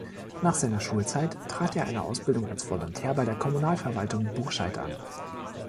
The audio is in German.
Nach seiner Schulzeit trat er eine Ausbildung als Volontär bei der Kommunalverwaltung Burscheid an.